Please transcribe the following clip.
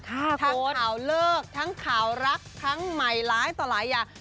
ข่าวเลิกทั้งข่าวรักทั้งใหม่ร้ายต่อหลายอย่าง